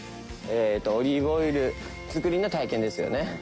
えとオリーブオイル作りの体験ですよね？